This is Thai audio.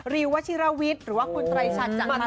ริววชิระวิทย์หรือว่าคุณตรายชัดจากบรรตาราดา